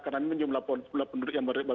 karena ini jumlah penduduknya